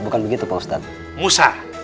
bukan begitu pak ustadz